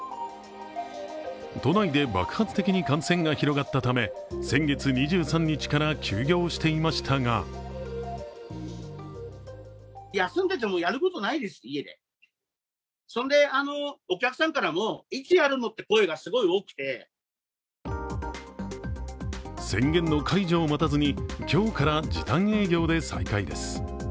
都内で爆発的に感染が広がったため先月２３日から休業していましたが宣言の解除を待たずに今日から時短営業で再開です。